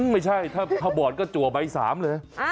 ไม่ใช่ถ้าบอดก็จัวใบ๓เลย